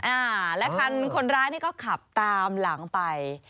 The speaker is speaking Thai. อ่าและคันคนร้ายนี่ก็ขับตามหลังไป